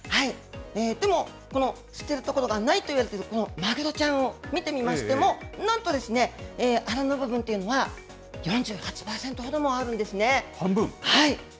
でも、この捨てるところがないといわれている、このマグロちゃんを見てみましても、なんとアラの部分というのは４８％ほどもある半分。